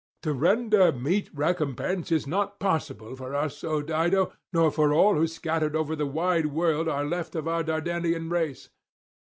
to render meet recompense is not possible for us, O Dido, nor for all who scattered over the wide world are left of our Dardanian race.